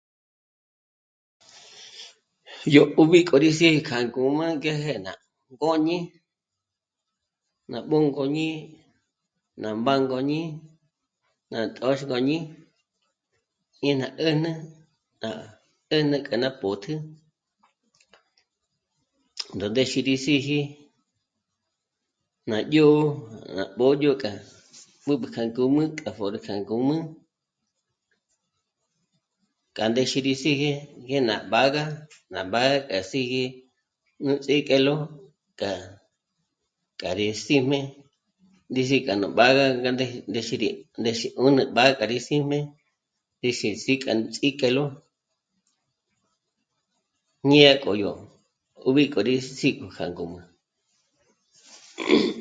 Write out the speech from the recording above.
Yó 'ùb'i k'ó rí sí'i kja ngǔm'ü ngéje ná ngôñi, ná bûngôñi, ná bângôñi, ná tö́xgôñi ñe ná 'ä̂jnä tá... 'ä̂jnä k'a nà pó'tjü ndó ndéxe rí síji ná dyó'o, rá mbódyo k'a b'ǚb'ü kja ngǔm'ü rá pjôd'ü kja ngǔm'ü k'a ndéxi rí síji ngé ná b'ága, ná b'ága k'a síji nú ts'íjkelo k'a... k'a rí sì'me ndísi k'a nú b'ága gá ndés'i rí... ndéxi 'ùnü b'ága rí sì'me rí si... sí' k'a nú ts'íjkelo ñe k'o yó 'ùbi k'o rí sí'i nú kja ngǔm'ü